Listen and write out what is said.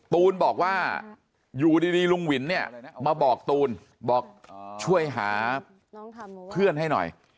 ตูนบอกว่าอยู่ดีลุงวินเนี่ยมาบอกตูนบอกช่วยหาเพื่อนให้หน่อย